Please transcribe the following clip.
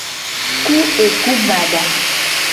Ku eku bada.